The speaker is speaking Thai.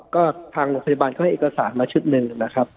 ก็ทางโรงพยาบาลก็ให้เอกสารมาชุดหนึ่งนะครับ